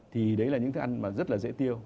thì đấy là những thức ăn mà rất là dễ tiêu